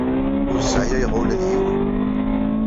Ur sseɛyayeɣ ula d yiwen.